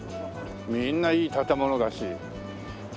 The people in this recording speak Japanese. みんないい建物だし。